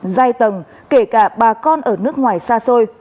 giai tầng kể cả bà con ở nước ngoài xa xôi